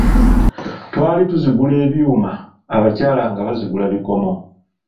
Twali tuzigula ebyuma, Abakyala nga bazigula bikomo.